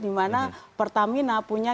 dimana pertamina punya